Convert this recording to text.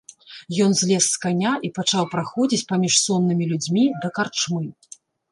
Ён злез з каня і пачаў праходзіць паміж соннымі людзьмі да карчмы.